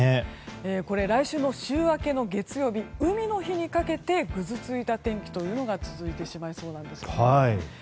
これ、来週の週明けの月曜日海の日にかけてぐずついた天気というのが続いてしまいそうです。